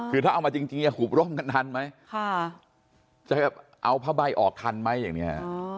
คือถ้าเอามาจริงหุบร่มกันทันไหมจะเอาผ้าใบออกทันไหมอย่างนี้